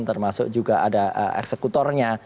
termasuk juga ada eksekutornya